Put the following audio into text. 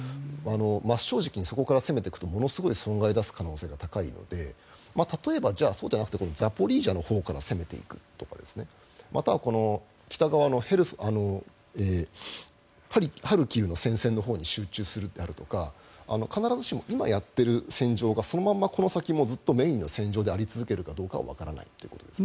真正直にそこから攻めていくとものすごい損害を出す可能性が高いので例えばザポリージャのほうから攻めていくとかまたは北側のハルキウの戦線のほうに集中するであるとか必ずしも今やっている戦場がこの先もずっとメインの戦場であり続けるかどうかはわからないということです。